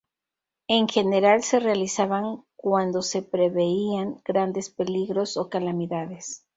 En general se realizaban cuando se preveían grandes peligros o calamidades.